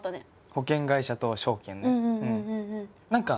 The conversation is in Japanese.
保険会社と証券ね。